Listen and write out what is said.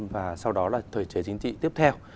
và sau đó là thể chế chính trị tiếp theo